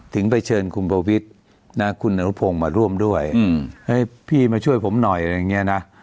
ถึงไปเชิญคุณประวิทย์นะคุณอนุพงศ์มาร่วมด้วยพี่มาช่วยผมหน่อยอะไรอย่างนี้นะ